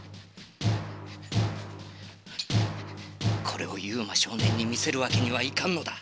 これをユウマ少年に見せるわけにはいかんのだ。